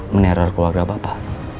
meneror keluarga bapak